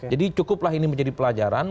jadi cukuplah ini menjadi pelajaran